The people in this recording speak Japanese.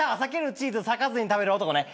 チーズ裂かずに食べる男ね。